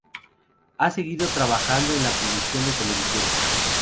Ha seguido trabajando en la producción de televisión.